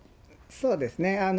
そうですね。